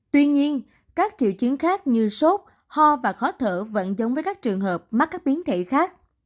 tuy nhiên các triệu chứng khác như sốt ho và khó thở vẫn giống với các trường hợp mắc các biến thể khác